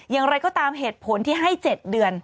อย่างไรก็ตามเหตุผลที่ให้๗เดือน